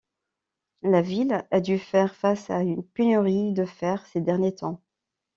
La ville a dû faire face à une pénurie de fer ces derniers temps.